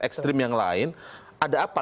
ekstrim yang lain ada apa